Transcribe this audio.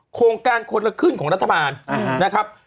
โครงการคนละครึ่งของรัฐบาลนะครับ